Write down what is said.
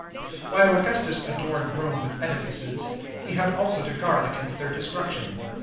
While Augustus adorned Rome with edifices, he had also to guard against their destruction.